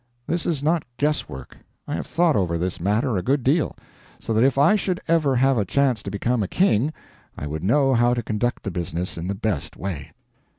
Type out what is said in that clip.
This is not guesswork; I have thought over this matter a good deal, so that if I should ever have a chance to become a king I would know how to conduct the business in the best way.